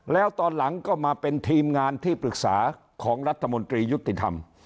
แล้วตอนหลังก็มาเป็นทีมงานที่ปรึกษาของรัฐมนตรียุติธรรม